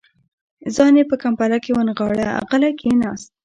ځان يې په کمپله کې ونغاړه، غلی کېناست.